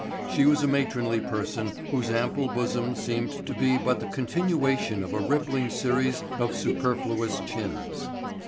She was a matronly person whose ample bosom seemed to be but the continuation of a rippling series of superfluous chins.